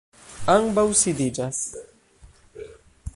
Ambaŭ sidiĝas.